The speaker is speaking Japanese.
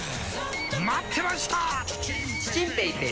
待ってました！